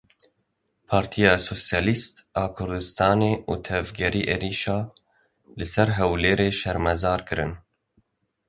Partiya Sosyalîst a Kurdistanê û Tevgerê êrişa li ser Hewlerê şermezar kirin.